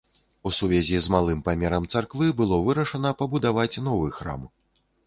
У сувязі з малым памерам царквы было вырашана пабудаваць новы храм.